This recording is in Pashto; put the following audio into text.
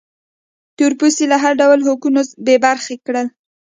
تور پوستي له هر ډول حقونو بې برخې کړل.